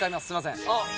すいません。